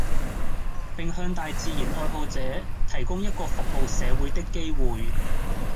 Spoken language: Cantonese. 並向大自然愛好者提供一個服務社會的機會